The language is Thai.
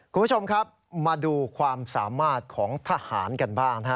คุณผู้ชมครับมาดูความสามารถของทหารกันบ้างนะฮะ